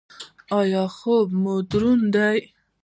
ایا خوب مو دروند دی؟